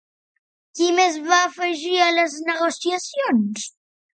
Qui més es va afegir a les negociacions?